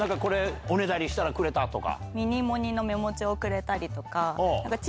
おねだりしたらくれたとか。